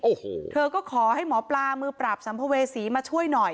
โอ้โหเธอก็ขอให้หมอปลามือปราบสัมภเวษีมาช่วยหน่อย